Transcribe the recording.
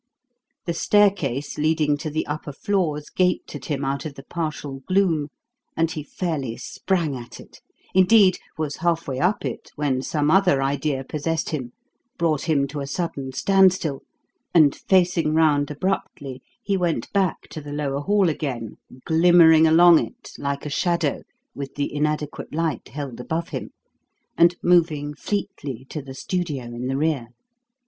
The staircase leading to the upper floors gaped at him out of the partial gloom, and he fairly sprang at it indeed, was halfway up it when some other idea possessed him, brought him to a sudden standstill, and, facing round abruptly, he went back to the lower hall again, glimmering along it like a shadow, with the inadequate light held above him, and moving fleetly to the studio in the rear.